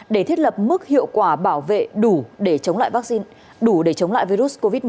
để thiết lập mức hiệu quả bảo vệ đủ để chống lại virus covid một mươi chín